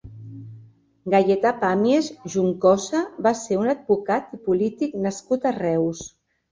Gaietà Pàmies Juncosa va ser un advocat i polític nascut a Reus.